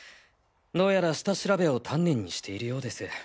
どうやら下調べを丹念にしているようです。